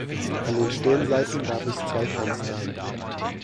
An den Stirnseiten gab es zwei Fenster.